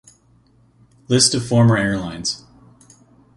List of former airlines